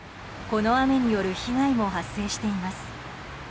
この雨による被害も発生しています。